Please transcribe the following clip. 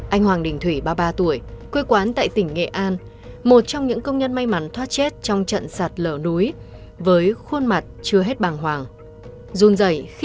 anh hoàng đình thủy ba mươi ba tuổi quê quán tại tỉnh nghệ an một trong những công nhân may mắn thoát chết trong trận sạt lở núi với khuôn mặt chưa hết bàng hoàng